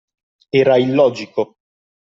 Era illogico.